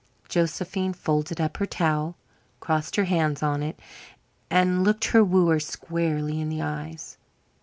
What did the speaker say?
Josephine folded up her towel, crossed her hands on it, and looked her wooer squarely in the eyes.